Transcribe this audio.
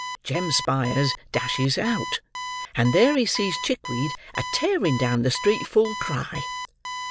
Jem Spyers dashes out; and there he sees Chickweed, a tearing down the street full cry.